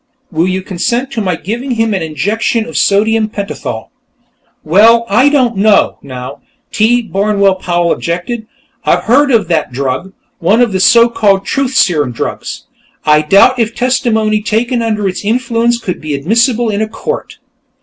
Will you consent to my giving him an injection of sodium pentathol?" "Well, I don't know, now," T. Barnwell Powell objected. "I've heard of that drug one of the so called 'truth serum' drugs. I doubt if testimony taken under its influence would be admissible in a court...."